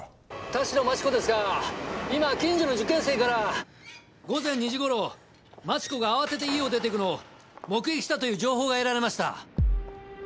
田代万智子ですが今近所の受験生から午前２時頃万智子が慌てて家を出て行くのを目撃したという情報が得られました。